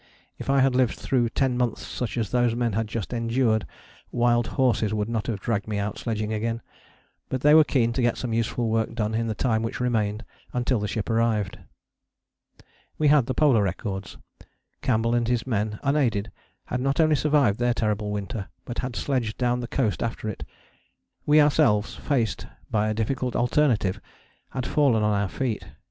If I had lived through ten months such as those men had just endured, wild horses would not have dragged me out sledging again. But they were keen to get some useful work done in the time which remained until the ship arrived. We had the Polar records: Campbell and his men, unaided, had not only survived their terrible winter, but had sledged down the coast after it. We ourselves, faced by a difficult alternative, had fallen on our feet.